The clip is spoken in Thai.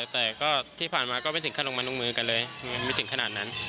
แต่ก็ที่ผ่านมาก็ไม่ถึงขั้นลงมาลงมือกันเลยไม่ถึงขนาดนั้น